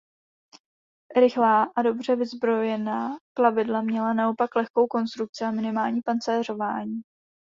Rychlá a dobře vyzbrojená plavidla měla naopak lehkou konstrukci a minimální pancéřování.